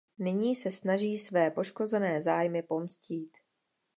Nyní se snaží své poškozené zájmy pomstít.